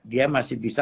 dia masih bisa